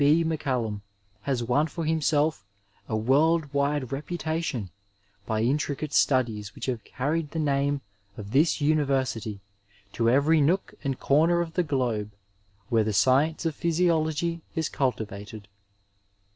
B. Mftftftjln^ has won for himself a world wide reputation by intricate studies which have carried the name of this University to every nook and comer of the globe where the science of physiology is cultivated.